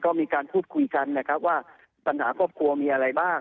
ก็มีการพูดคุยกันนะครับว่าปัญหาครอบครัวมีอะไรบ้าง